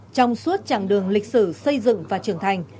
trong suốt chặng đường lịch sử xây dựng và trưởng thành